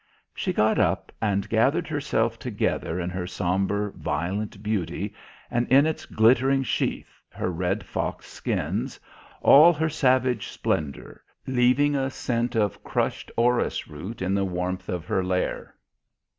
She got up and gathered herself together in her sombre, violent beauty and in its glittering sheath, her red fox skins, all her savage splendour, leaving a scent of crushed orris root in the warmth of her lair.